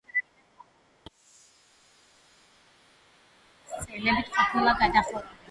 კარი გარედან თაღოვანია, შიგნიდან, შემორჩენილი კვალის მიხედვით, ხის ძელებით ყოფილა გადახურული.